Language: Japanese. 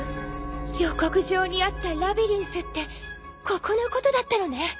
予告状にあった「ラビリンス」ってここのことだったのね。